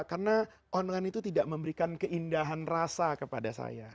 karena online itu tidak memberikan keindahan rasa kepada saya